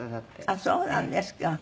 あっそうなんですか。